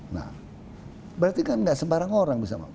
nah berarti kan nggak sembarang orang bisa bang